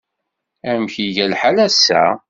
Amek iga lḥal ass-a?